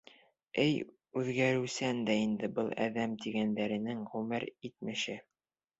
Эй, үҙгәреүсән дә инде был әҙәм тигәндәренең ғүмер итмеше.